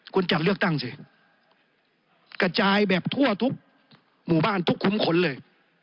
คุณจัดเลือกตั้งสิกระจายแบบทั่วทุกหมู่บ้านทุกคุ้มขนเลย